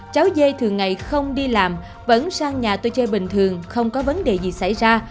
cháu dây thường ngày không đi làm vẫn sang nhà tôi chơi bình thường không có vấn đề gì xảy ra